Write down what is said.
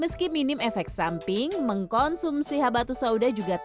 meski minim efek samping mengkonsumsi habatus sauda juga terjadi